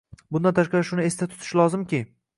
Bundan tashqari shuni esda tutish lozimki